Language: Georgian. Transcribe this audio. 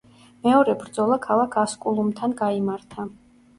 მეორე ბრძოლა ქალაქ ასკულუმთან გაიმართა.